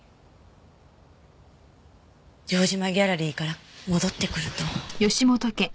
城島ギャラリーから戻ってくると。